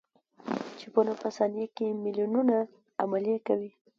چپونه په ثانیه کې میلیونونه عملیې کوي.